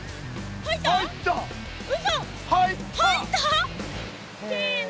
入った！せの。